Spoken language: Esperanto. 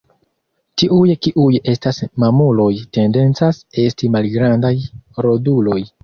Tiuj kiuj estas mamuloj tendencas esti malgrandaj roduloj.